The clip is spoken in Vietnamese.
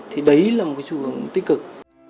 thì đấy là một xu hướng tích cực